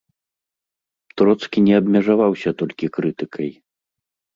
Троцкі не абмежаваўся толькі крытыкай.